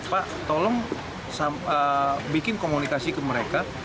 pak tolong bikin komunikasi ke mereka